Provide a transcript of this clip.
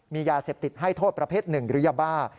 มียาเสพติดให้โทษประเภทหนึ่งหรือยาบ้า